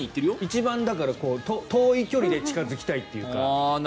一番遠い距離で近付きたいというか。